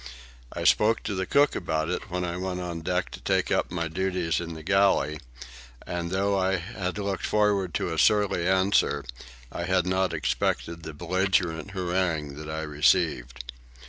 I spoke to the cook about it, when I went on deck to take up my duties in the galley, and though I had looked forward to a surly answer, I had not expected the belligerent harangue that I received.